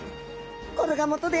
これがもとで。